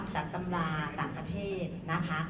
จากตำราต่างประเภทนะคะ